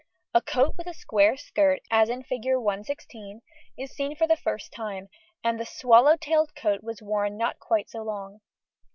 A coat with a square skirt as in Fig. 116 is seen for the first time, and the swallow tailed coat was worn not quite so long.